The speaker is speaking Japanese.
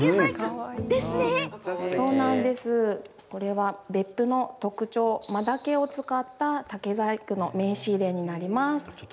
これは別府の特徴マダケを使った竹細工の名刺入れになります。